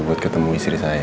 buat ketemu istri saya